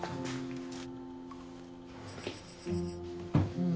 うん